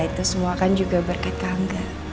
ya itu semua kan juga berkat tangga